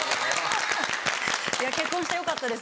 結婚してよかったです